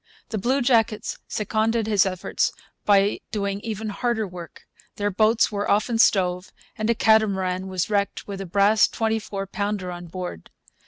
The bluejackets seconded his efforts by doing even harder work. Their boats were often stove, and a catamaran was wrecked with a brass twenty four pounder on board.